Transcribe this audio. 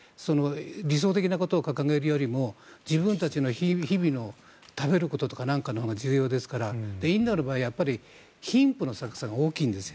理想的なことを掲げるよりも自分たちの日々の食べることや何かのほうが重要ですからインドの場合貧富の格差が大きいんですよ。